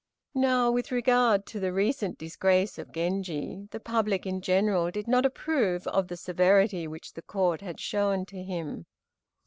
Now, with regard to the recent disgrace of Genji, the public in general did not approve of the severity which the Court had shown to him.